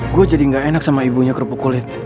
gue jadi gak enak sama ibunya kerupuk kulit